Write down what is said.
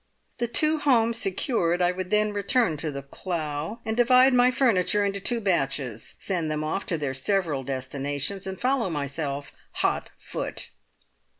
The two homes secured, I would then return to The Clough, and divide my furniture into two batches, send them off to their several destinations, and follow myself, hot foot.